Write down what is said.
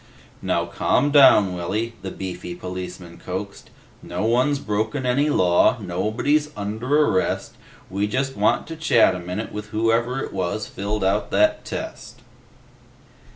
"Now calm down, Willy," the beefy policeman coaxed. "No one's broken any law. Nobody's under arrest. We just want to chat a minute with whoever it was filled out that test."